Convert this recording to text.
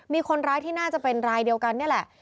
มีคนร้ายที่น่าจะเป็นรายเดียวกันนี่แหละ